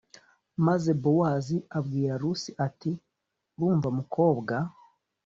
Maze bowazi abwira rusi ati urumva mukobwa